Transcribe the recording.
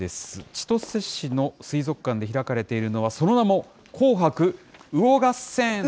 千歳市の水族館で開かれているのは、その名も、魚合戦。